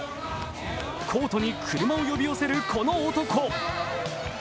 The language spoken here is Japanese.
コートに車を呼び寄せるこの男。